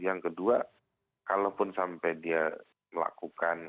yang kedua kalaupun sampai dia melakukan